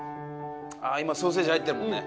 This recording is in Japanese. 今ソーセージ入ってるもんね。